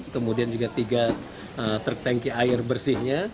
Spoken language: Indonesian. kemudian juga tiga truk tanki air bersihnya